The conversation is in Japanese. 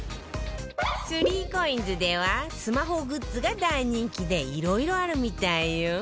３ＣＯＩＮＳ ではスマホグッズが大人気でいろいろあるみたいよ